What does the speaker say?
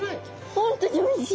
本当においしい。